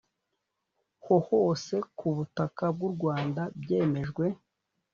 ho hose ku butaka bw u rwanda byemejwe